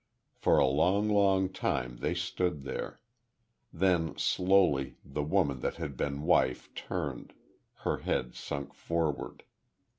For a long, long time they stood there.... Then slowly, the woman that had been wife turned her head sunk forward....